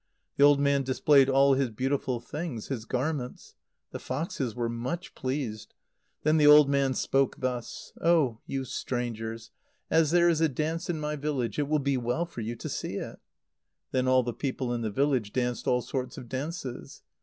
The old man displayed all his beautiful things, his garments. The foxes were much pleased. Then the old man spoke thus: "Oh you strangers! as there is a dance in my village, it will be well for you to see it." Then all the people in the village danced all sorts of dances.